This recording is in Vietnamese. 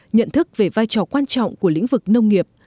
nhận thức về vai trò quan trọng của lĩnh vực nông nghiệp